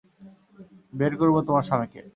বের করবো তোমার স্বামীকে।